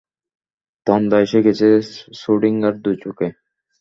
তন্দ্রা এসে গেছে শ্রোডিঙ্গারের দুচোখে।